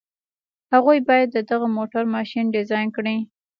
هغوی بايد د دغه موټر ماشين ډيزاين کړي.